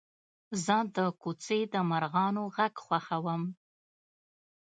زه د کوڅې د مرغانو غږ خوښوم.